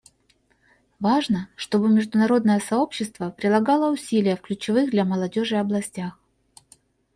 Важно, чтобы международное сообщество прилагало усилия в ключевых для молодежи областях.